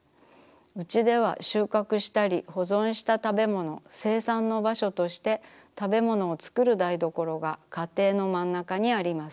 うちでは収穫したり保存したたべものの生産のばしょとしてたべものをつくる台所が家庭のまんなかにあります。